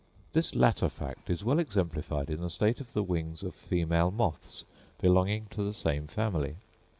This latter fact is well exemplified in the state of the wings of female moths belonging to the same family.